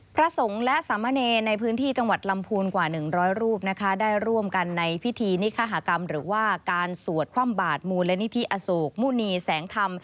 พระสงฆ์และสามเณรในพื้นที่จังหวัดลำพูนกว่า๑๐๐รูปนะคะได้ร่วมกันในพิธีนิคหากรรมหรือว่าการสวดคว่ำบาดมูลนิธิอโศกมุณีแสงธรรม